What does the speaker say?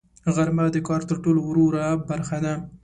غرمه د کار تر ټولو وروه برخه ده